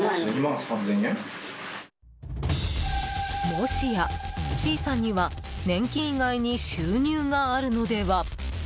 もしや、Ｃさんには年金以外に収入があるのでは？